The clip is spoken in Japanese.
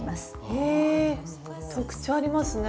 え特徴ありますね。